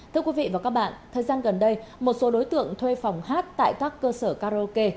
thưa quý vị và các bạn thời gian gần đây một số đối tượng thuê phòng hát tại các cơ sở karaoke